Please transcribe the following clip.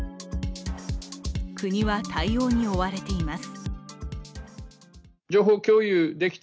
国は対応に追われています。